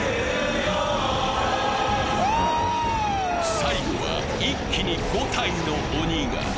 最後は、一気に５体の鬼が。